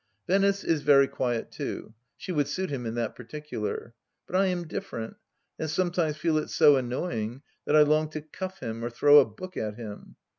Venice is very quiet too. She would suit him in that particular. But I am different, and sometimes feel it so annoying that I long to cuff him or throw a book at him.